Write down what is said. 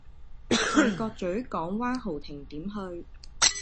大角嘴港灣豪庭點樣去?